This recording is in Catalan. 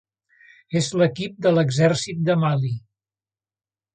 És l'equip de l'exèrcit de Mali.